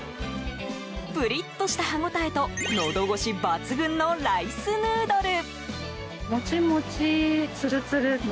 プリっとした歯ごたえとのど越し抜群のライスヌードル。